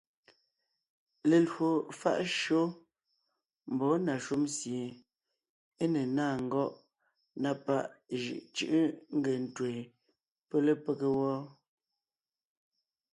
Lelwò fáʼ shÿó mbɔɔ na shúm sie é ne ńnáa ngɔ́ʼ na páʼ jʉʼ cʉ́ʼʉ nge ńtween pɔ́ lepége wɔ́.